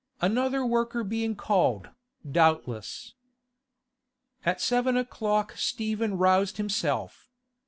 Another worker being called, doubtless. At seven o'clock Stephen roused himself.